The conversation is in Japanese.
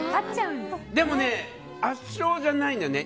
でもね、圧勝じゃないのよね。